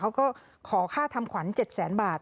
เขาก็ขอค่าทำขวัญ๗แสนบาท